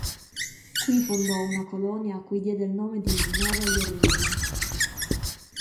Qui fondò una colonia a cui diede il nome di “Nova Jerusalem”.